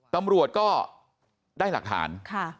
ตำรวจก็ได้หลักฐาน